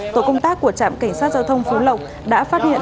tổ công tác của trạm cảnh sát giao thông phú lộc đã phát hiện